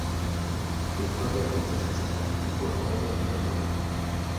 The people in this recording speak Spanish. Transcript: Su historia causó sensación, y fue objeto de muchas burlas.